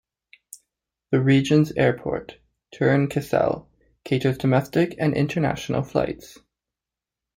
The region's airport, Turin-Caselle, caters domestic and international flights.